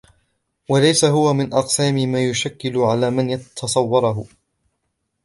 وَلَيْسَ هُوَ مِنْ أَقْسَامِ مَا يُشْكِلُ عَلَى مَنْ تَصَوَّرَهُ